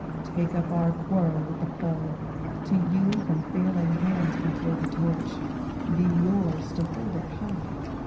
Take up our quarrel with the foe: To you from failing hands we throw The Torch: be yours to hold it high!